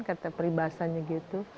kata peribasannya gitu